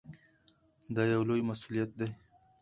دا یو لوی مسؤلیت دی.